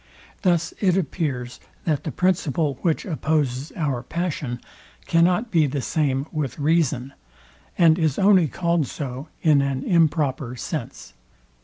Thus it appears, that the principle, which opposes our passion, cannot be the same with reason, and is only called so in an improper sense.